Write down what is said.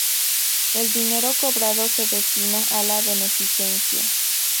El dinero cobrado se destina a la beneficencia.